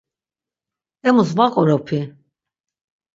Emus va vaqoropi.